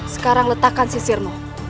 sekarang letakkan sisirmu